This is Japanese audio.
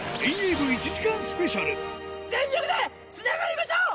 全力でつながりましょう！